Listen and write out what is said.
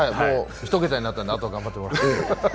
１桁になったのであとは頑張ってもらって。